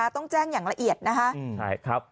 ต้องแจ้งอย่างละเอียดนะคะ